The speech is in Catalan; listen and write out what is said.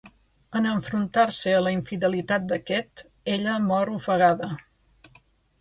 En enfrontar-se a la infidelitat d'aquest, ella mor ofegada.